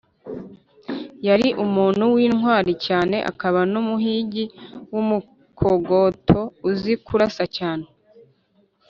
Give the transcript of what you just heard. Yari umuntu w’intwali cyane, akaba n’umuhigi w’umukogoto(uzi kurasa cyane)